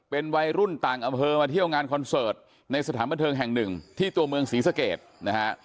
เป็นวัยรุ่นต่างอำเภอมาเที่ยวงานคอนเสิร์ตในสถานบันเทิงแห่งหนึ่งที่ตัวเมืองศรีสเกตนะฮะ